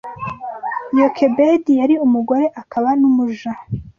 Yokebedi yari umugore akaba n’umuja